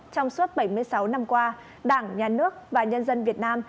trong suốt bảy mươi sáu năm qua đảng nhà nước và nhân dân việt nam